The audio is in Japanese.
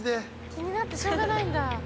気になってしょうがないんだ。